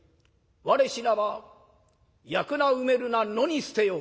『我死なば焼くな埋めるな野に捨てよ。